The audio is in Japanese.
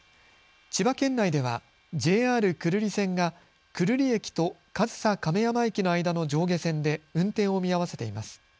千葉県内ではＪＲ久留里線が久留里駅と上総亀山駅の間の上下線で運転を見合わせています。